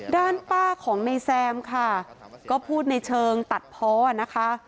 ด้านป้าของในแซมค่ะก็พูดในเชิงตัดเพาะนะคะ